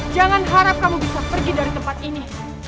jangan harap kamu bisa pergi dari tempat ini